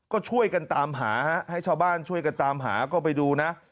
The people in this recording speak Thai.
ก็ช่วยกันตามหาให้ชาวบ้านช่วยกันตามหาก็ไปดูนะ